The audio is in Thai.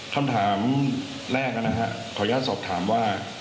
คำถามแรกนะครับขออนุญาตสอบถามว่า